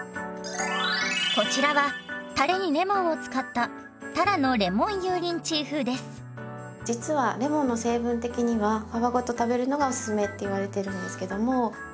こちらはたれにレモンを使った実はレモンの成分的には皮ごと食べるのがおすすめって言われてるんですけども。